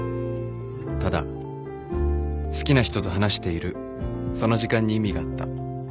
ただ好きな人と話しているその時間に意味があった